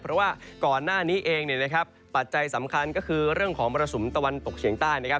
เพราะว่าก่อนหน้านี้เองเนี่ยนะครับปัจจัยสำคัญก็คือเรื่องของมรสุมตะวันตกเฉียงใต้นะครับ